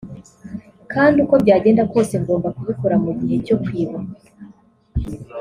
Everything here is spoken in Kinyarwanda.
kandi uko byagenda kose ngomba kubikora mu gihe cyo kwibuka